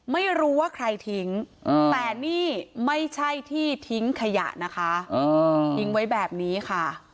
ไม่รู้ว่าใครทิ้งแต่นี่ไม่ใช่ที่ทิ้งขยะนะคะทิ้งไว้แบบนี้ค่ะ